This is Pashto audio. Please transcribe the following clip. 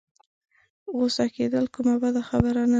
غوسه کېدل کومه بده خبره نه ده.